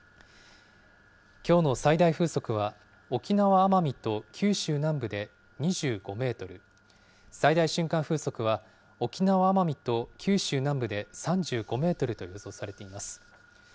きょうの最大風速は、沖縄・奄美と九州南部で２５メートル、最大瞬間風速は沖縄・奄美と九州南部で３５メートルと予想されています。